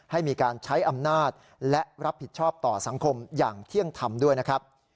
ให้มีการใช้อำนาจและรับผิดชอบต่อสังคมอย่างเที่ยงธรรมด้วยนะครับ